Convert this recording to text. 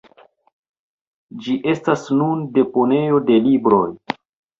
Ĝi estas nun deponejo de libroj.